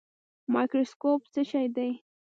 مایکروسکوپ څه شی دی؟